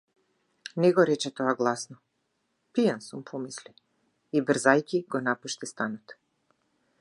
Не го рече тоа гласно, пијан сум помисли, и брзајќи го напушти станот.